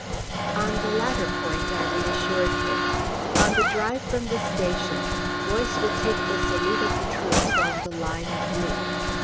On the latter point I reassured her. On the drive from the station Boyce would take the salute of the troops on the line of route.